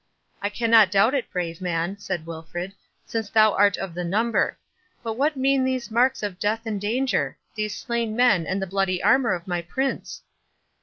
"I cannot doubt it, brave man," said Wilfred, "since thou art of the number—But what mean these marks of death and danger? these slain men, and the bloody armour of my Prince?"